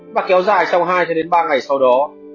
và kéo dài trong hai cho đến ba ngày sau đó